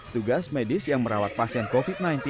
tugas medis yang merawat pasien covid sembilan belas